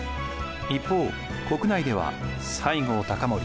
一方国内では西郷隆盛